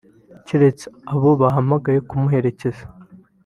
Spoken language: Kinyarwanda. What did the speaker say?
keretse abo bahamagaye kumuherekeza